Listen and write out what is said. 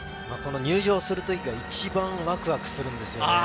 入場する時が一番ワクワクするんですよね。